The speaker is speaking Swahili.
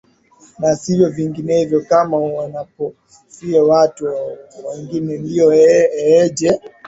na si vinginevyo kama wanapofikia watu wengine ndiyo ee ee je